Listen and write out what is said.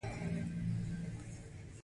هر چا کولی شو له خپلې اړتیا زیات تولید وکړي.